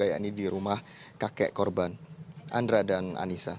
aduh kayaknya ini di rumah kakek korban andra dan anissa